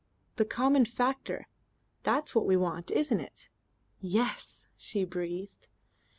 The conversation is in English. "The common factor that's what we want, isn't it?" "Yes," she breathed.